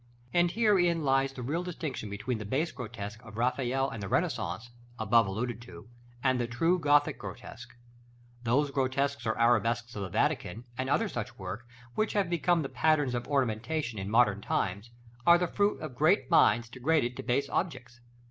And herein lies the real distinction between the base grotesque of Raphael and the Renaissance, above alluded to, and the true Gothic grotesque. Those grotesques or arabesques of the Vatican, and other such work, which have become the patterns of ornamentation in modern times, are the fruit of great minds degraded to base objects.